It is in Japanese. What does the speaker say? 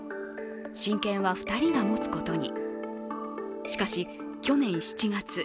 親権は２人が持つことに。